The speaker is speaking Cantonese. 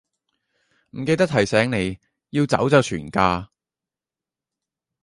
唔記得提醒你，要走就全家